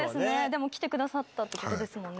でも来てくださったってことですね。